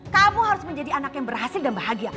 kamu harus menjadi anak yang berhasil dan bahagia